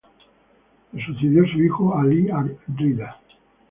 Le sucedió su hijo Alí ar-Rida.